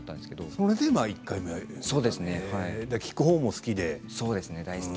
それで１回目は出られて聞くほうも好きで？